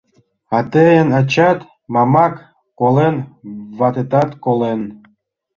А тыйын ачат, Мамак, колен, ватетат колен...